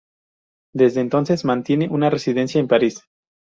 Desde entonces mantiene una residencia en París.